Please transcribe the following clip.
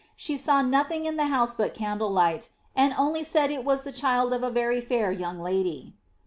She saw nothing in the house but candle light, and only said it was tlie child of a very fair young lady."